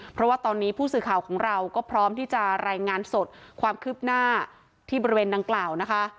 เพราะว่าตอนนี้ผู้สื่อข่าวของเราก็พร้อมที่จะรายงานสดความคืบหน้าที่บริเวณดังกล่าวนะคะ